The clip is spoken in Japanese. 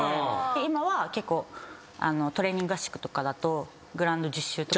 今は結構トレーニング合宿とかだとグラウンド１０周とか。